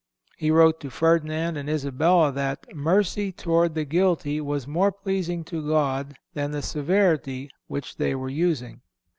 He wrote to Ferdinand and Isabella that "mercy towards the guilty was more pleasing to God than the severity which they were using."